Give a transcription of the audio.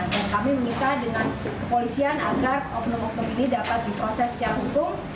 dan kami menikah dengan kepolisian agar oknum oknum ini dapat diproses secara hukum